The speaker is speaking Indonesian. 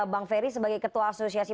bang ferry sebagai ketua asosiasi